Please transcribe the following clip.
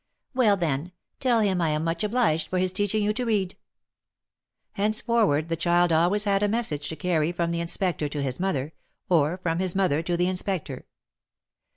'^Well, then, tell him I am much obliged for his teaching you to read." Henceforward the child always had a message to carry from the Inspector to his mother, or from his mother to the Inspector.